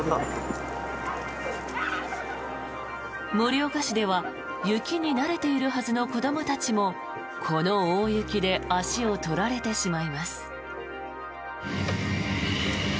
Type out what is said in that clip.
盛岡市では雪に慣れているはずの子どもたちもこの大雪で足を取られてしまいます。